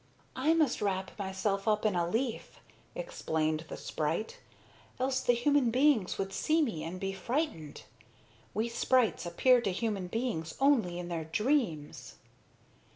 "I must wrap myself up in a leaf," explained the sprite, "else the human beings would see me and be frightened. We sprites appear to human beings only in their dreams."